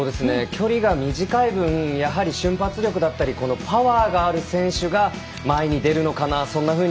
距離が短い分やはり瞬発力だったりパワーがある選手が前に出るのかな